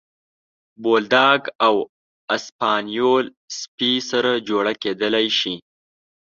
بولداګ او اسپانیول سپي سره جوړه کېدلی شي.